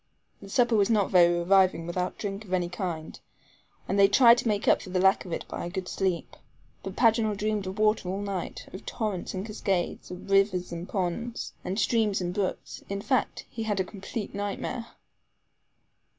The supper was not very reviving without drink of any kind, and they tried to make up for the lack of it by a good sleep. But Paganel dreamed of water all night, of torrents and cascades, and rivers and ponds, and streams and brooks in fact, he had a complete nightmare.